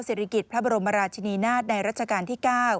ศิริกิจพระบรมราชินีนาฏในรัชกาลที่๙